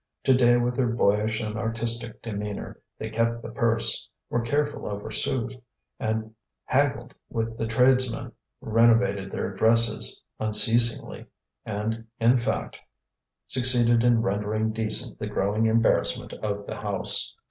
Today, with their boyish and artistic demeanour, they kept the purse, were careful over sous, haggled with the tradesmen, renovated their dresses unceasingly, and in fact, succeeded in rendering decent the growing embarrassment of the house.